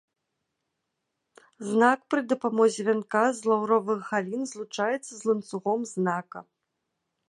Знак пры дапамозе вянка з лаўровых галін злучаецца з ланцугом знака.